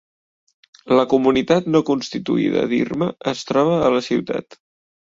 La comunitat no constituïda d'Irma es troba a la ciutat.